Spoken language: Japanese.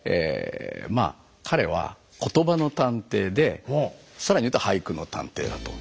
まあ彼は「ことばの探偵」で更に言うと「俳句の探偵」だと。